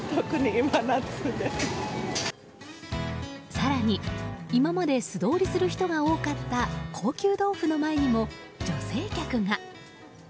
更に今まで素通りする人が多かった高級豆腐の前にも女性客が。